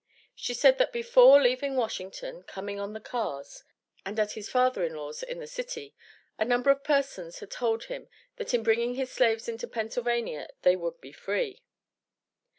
She said that before leaving Washington, coming on the cars, and at his father in law's in this city, a number of persons had told him that in bringing his slaves into Pennsylvania they would be free.